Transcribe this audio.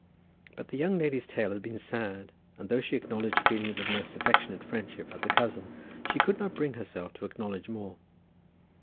But the young lady's tale had been sad, and though she acknowledged feelings of most affectionate friendship for the cousin, she could not bring herself to acknowledge more.